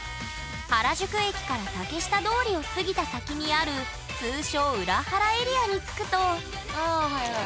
原宿駅から竹下通りを過ぎた先にある通称裏原エリアに着くとあはいはい。